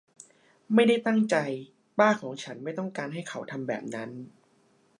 ไม่ได้ตั้งใจ ป้าของฉันไม่ต้องการให้เขาทำแบบนั้น